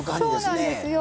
そうなんですよ。